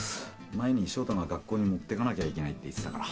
前に翔太が「学校に持ってかなきゃいけない」って言ってたから。